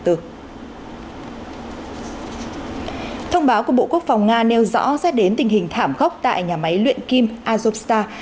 thông báo của bộ quốc phòng nga nêu rõ sẽ đến tình hình thảm gốc tại nhà máy luyện kim azovstar